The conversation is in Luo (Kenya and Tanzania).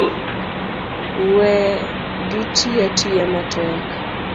We giti atiyo matek